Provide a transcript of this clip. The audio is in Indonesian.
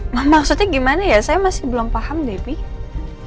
mah maksudnya gimana ya saya masih belum paham debbie